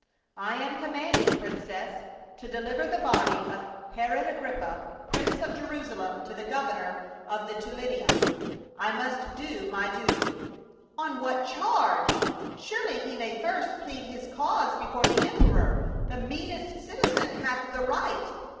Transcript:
" I am commanded, princess, to deliver the body of Herod Agrippa, prince of Jerusalem, to the governor of the Tullianum. I must do my duty." " On what charge ? Surely he may first plead his cause before the emperor — the meanest citizen hath the right."